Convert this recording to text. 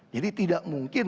jadi tidak mungkin